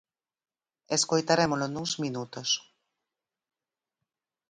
Escoitarémolo nuns minutos.